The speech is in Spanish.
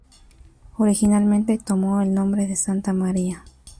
Originalmente tomó el nombre de Santa María.